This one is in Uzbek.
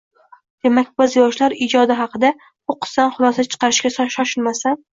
Demak, biz yoshlar ijodi haqida qo‘qqisdan xulosa chiqarishga shoshilmasdan